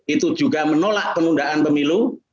itu juga menolak penundaan pemilu